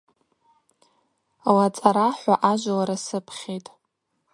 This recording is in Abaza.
Лацӏара-хӏва ажвлара сыпхьитӏ.